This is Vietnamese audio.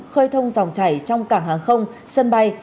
khơi thông dòng chảy trong cảng hàng không sân bay